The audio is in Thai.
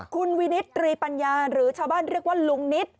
คุณวินิตตรีปัญญาหรือชาวบ้านเรียกว่าลุงนิต